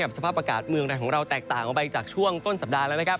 อักษรภาพอากาศมืองในของเราแตกต่างออกไปจากช่วงต้นสัปดาห์แล้ว